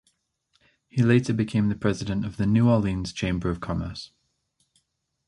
He later became the president of the New Orleans Chamber of Commerce.